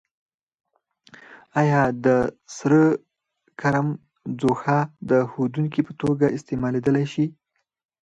آیا د سره کرم ځوښا د ښودونکي په توګه استعمالیدای شي؟